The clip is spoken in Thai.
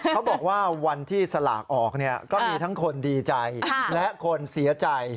เขาบอกว่าวันที่สลากออกเนี่ยก็มีทั้งคนดีใจและคนเสียใจ